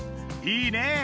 いいねえ！